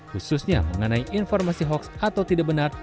khususnya mengenai informasi hoax atau tidak benar